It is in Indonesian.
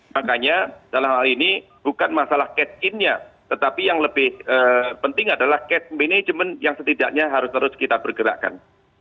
makanya dalam hal ini bukan masalah catch in nya tetapi yang lebih penting adalah cash management yang setidaknya harus terus kita bergerakkan